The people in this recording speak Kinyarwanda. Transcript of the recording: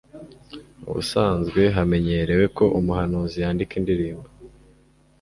Ubusanzwe hamenyerewe ko umuhanzi yandika indirimbo